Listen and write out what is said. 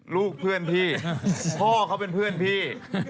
ลูกเพื่อนพี่พ่อเขาเป็นเพื่อนพี่